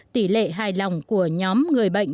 tỷ lệ hài lòng của nhóm người bệnh